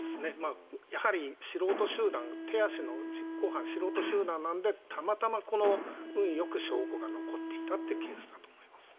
やはり、素人集団手足の実行犯、素人集団なのでたまたま運よく証拠が残っていたというケースだと思います。